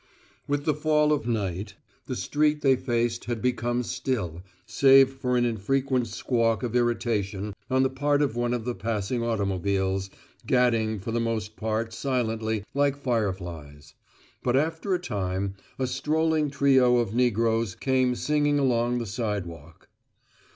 With the fall of night, the street they faced had become still, save for an infrequent squawk of irritation on the part of one of the passing automobiles, gadding for the most part silently, like fireflies. But after a time a strolling trio of negroes came singing along the sidewalk.